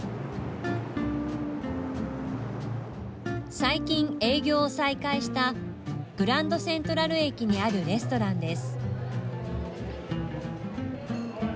最近営業を再開したグランドセントラル駅にあるレストランです。